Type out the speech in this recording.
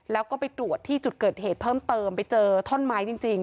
แล้วก็ไปตรวจที่จุดเกิดเหตุเพิ่มเติมไปเจอท่อนไม้จริง